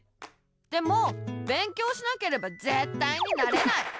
でも勉強しなければぜったいになれない！